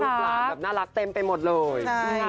หลานแบบน่ารักเต็มไปหมดเลย